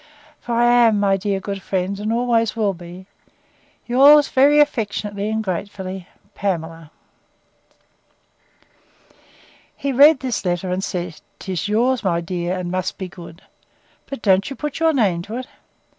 For I am, my dear good friend, and always will be, 'Yours, very affectionately, and gratefully, PAMELA ——.' He read this letter, and said, 'Tis yours, my dear, and must be good: But don't you put your name to it?